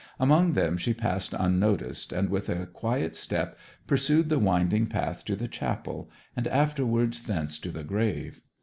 Among them she passed unnoticed, and with a quiet step pursued the winding path to the chapel, and afterwards thence to the grave.